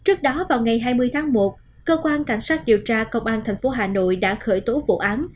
trước đó vào ngày hai mươi tháng một cơ quan cảnh sát điều tra công an tp hà nội đã khởi tố vụ án